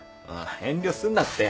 遠慮すんなって。